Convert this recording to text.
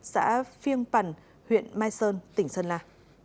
xã phiêng pẳn huyện mai sơn tỉnh sơn la